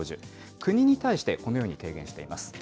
国に対して、このように提言しています。